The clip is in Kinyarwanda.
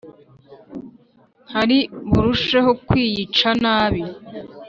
Ntari burusheho kwiyica nabi